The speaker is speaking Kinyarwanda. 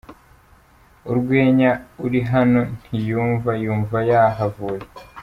Urwenya Uri hano ntiyumva yumva yahavuye